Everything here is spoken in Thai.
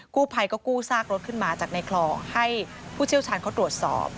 กู้ภัยก็กู้ซากรถขึ้นมาจากในคลองให้ผู้เชี่ยวชาญเขาตรวจสอบ